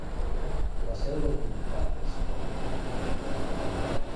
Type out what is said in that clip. La seu del comtat és Corning.